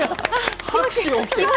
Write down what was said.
拍手が起きてる。